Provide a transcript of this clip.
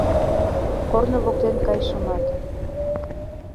Корно воктен кайышымат